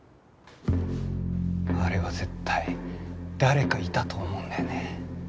あれは絶対誰かいたと思うんだよね。